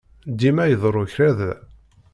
Dima iḍerru kra da.